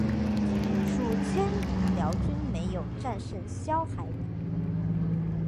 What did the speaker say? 数千辽军没有战胜萧海里。